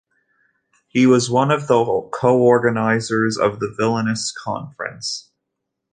He was one of co-organizers of the Vilnius Conference.